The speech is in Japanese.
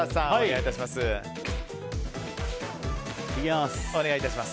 いきます。